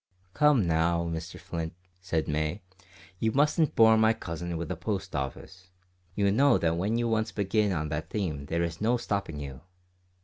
"Come now, Mr Flint," said May, "you mustn't bore my cousin with the Post Office. You know that when you once begin on that theme there is no stopping you."